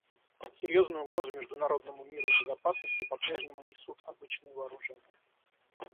Серьезную угрозу международному миру и безопасности попрежнему несут обычные вооружения.